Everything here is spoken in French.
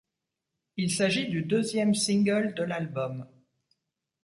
Il s'agit du deuxième single de l'album.